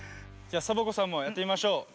じゃサボ子さんもやってみましょう。